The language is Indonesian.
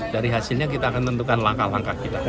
dari hasilnya kita akan tentukan langkah langkah kita